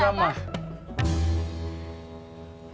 laku banyak pak